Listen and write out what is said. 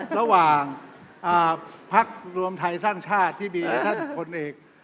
ระหว่างภักดิ์รวมไทยสร้างชาติที่มี๓๐คนอีก